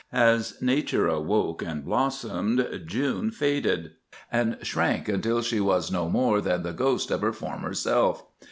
As nature awoke and blossomed, June faded and shrank until she was no more than the ghost of her former self.